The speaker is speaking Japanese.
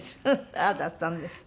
ああだったんですって。